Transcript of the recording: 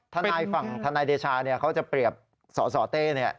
ธนายฝั่งธนายเดชาเนี่ยเขาจะเปรียบสอสอเต้เนี่ย